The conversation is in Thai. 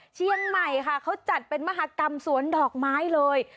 เชียงใหม่ค่ะเขาจัดเป็นมหากรรมสวนดอกไม้เลย